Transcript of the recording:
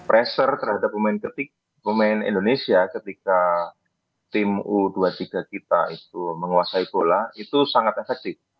pressure terhadap pemain indonesia ketika tim u dua puluh tiga kita itu menguasai bola itu sangat efektif